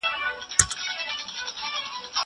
زه به سبا سپينکۍ پرېولم وم!!